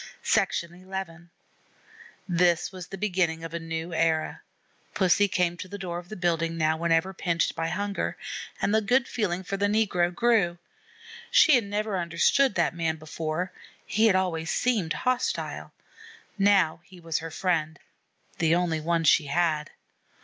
LIFE IV XI This was the beginning of a new era. Pussy came to the door of the building now whenever pinched by hunger, and the good feeling for the negro grew. She had never understood that man before. He had always seemed hostile. Now he was her friend, the only one she had.